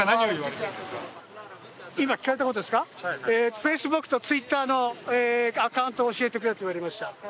ＦａｃｅｂｏｏｋとＴｗｉｔｔｅｒのアカウントを教えてくれと言われました。